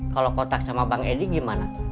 kalau kotak sama bang edi gimana